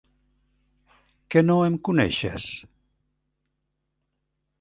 Que no em coneixes?